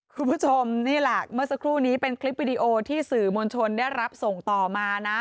คุณผู้ชมนี่แหละเมื่อสักครู่นี้เป็นคลิปวิดีโอที่สื่อมวลชนได้รับส่งต่อมานะ